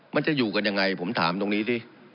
มันจะอยู่กันยังไร